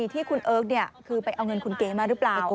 ที่คุณเอิร์กคือไปเอาเงินคุณเก๋มาหรือเปล่า